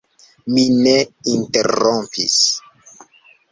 Mi ne interrompis.